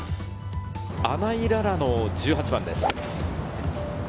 穴井詩の１８番です。